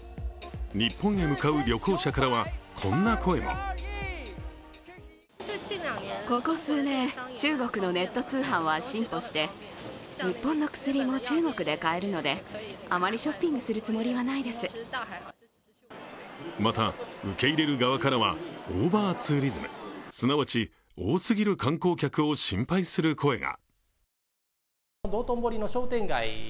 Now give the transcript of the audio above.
日本へ向かう旅行者からは、こんな声もまた受け入れる側からはオーバーツーリズム、すなわち、多すぎる観光客を心配する声が。